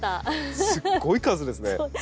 すっごい数ですね！